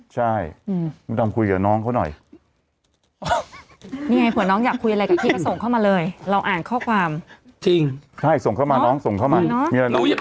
ใช่คุณดำคุยกับน้องเขาหน่อย